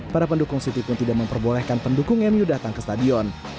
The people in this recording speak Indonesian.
para pendukung city pun tidak memperbolehkan pendukung mu datang ke stadion